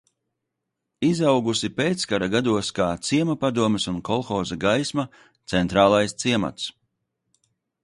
"Izaugusi pēckara gados kā ciema padomes un kolhoza "Gaisma" centrālais ciemats."